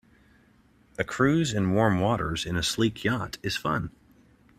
A cruise in warm waters in a sleek yacht is fun.